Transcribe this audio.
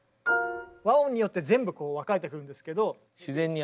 和音によって全部こう分かれてくるんですけど。